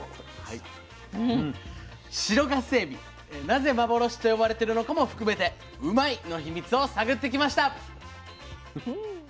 白ガスエビなぜ幻と呼ばれてるのかも含めてうまいッ！の秘密を探ってきました。